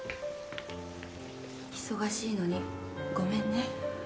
忙しいのにごめんね。